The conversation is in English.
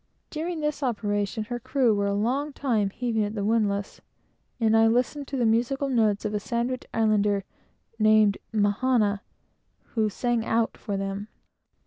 During this operation, her crew were a long time heaving at the windlass, and I listened for nearly an hour to the musical notes of a Sandwich Islander, called Mahannah, who "sang out" for them.